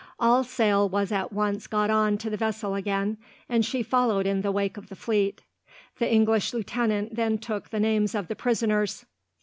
All sail was at once got on to the vessel again, and she followed in the wake of the fleet. The English lieutenant then took the names of the prisoners.